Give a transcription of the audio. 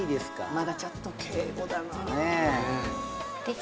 まだちょっと敬語だな